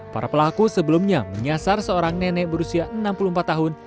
para pelaku sebelumnya menyasar seorang nenek berusia enam puluh empat tahun